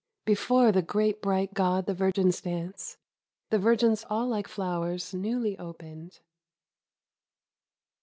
^'Before the great bright God the virgins dance, — the virgins all like flowers newly opened."